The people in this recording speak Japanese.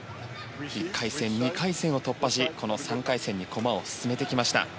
１回戦、２回戦を突破しこの３回戦に駒を進めてきました。